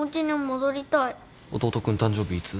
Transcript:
弟君誕生日いつ？